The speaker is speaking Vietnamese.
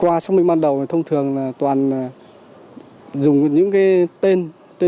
qua trong mình ban đầu thông thường toàn dùng những tên